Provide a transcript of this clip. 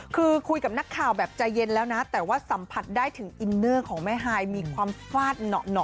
คือคุยกับนักข่าวแบบใจเย็นแล้วนะแต่ว่าสัมผัสได้ถึงอินเนอร์ของแม่ฮายมีความฟาดหนอ